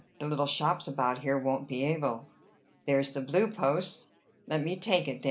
The little shops about here won't be able." "There's the Blue Posts." "Let me take it, then.